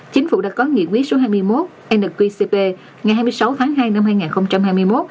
chính phủ đã có nghị quyết số hai mươi một nqcp ngày hai mươi sáu tháng hai năm hai nghìn hai mươi một